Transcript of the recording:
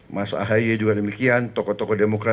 mas ahaye juga demikian tokoh tokoh demokrat